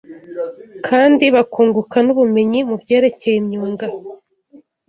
kandi bakunguka n’ubumenyi mu byerekeye imyuga